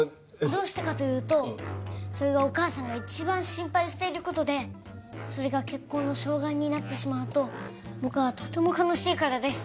どうしてかというとそれがお母さんが一番心配している事でそれが結婚の障害になってしまうと僕はとても悲しいからです。